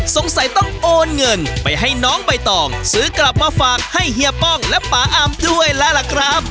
สงสัยต้องโอนเงินไปให้น้องใบตองซื้อกลับมาฝากให้เฮียป้องและป่าอามด้วยแล้วล่ะครับ